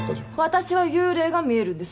私は幽霊が見えるんです。